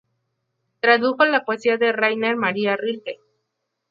Tradujo la poesía de Rainer Maria Rilke.